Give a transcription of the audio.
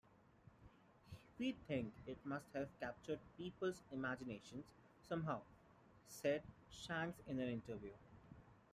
"We think it must have captured people's imaginations somehow", said Shanks in an interview.